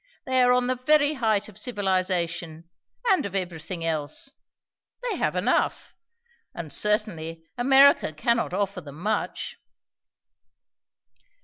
They are on the very height of civilization, and of everything else. They have enough. And certainly, America cannot offer them much."